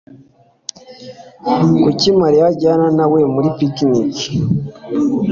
Kuki Mariya ajyana na we muri picnic?